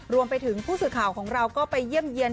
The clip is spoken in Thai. รวมไปถึงผู้สื่อข่าวของเราก็ไปเยี่ยมเยี่ยน